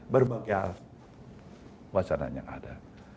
berbagai wacana yang ada